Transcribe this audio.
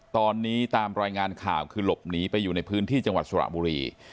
ตอนนี้ตามรายงานข่าวคือหลบหนีไปอยู่ในพื้นที่จังหวัดสระบุรี